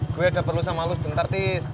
gue ada perlu sama lo bentar tis